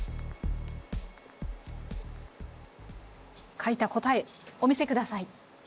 書いた答えお見せください。